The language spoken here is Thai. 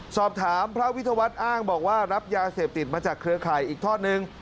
สอบถามพระวิทยาวัฒน์อ้างบอกว่ารับยาเสพติดมาจากเครือข่ายอีกทอดนึง